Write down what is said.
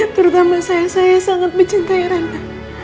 terutama saya saya sangat mencintai ranta